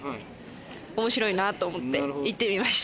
面白いなと思って行ってみました。